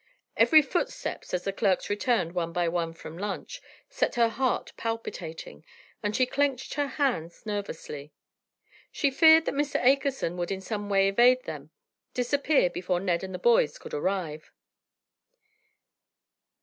Every footstep as the clerks returned, one by one, from lunch, set her heart palpitating, and she clenched her hands nervously. She feared that Mr. Akerson would in some way evade them, disappear before Ned and the boys could arrive!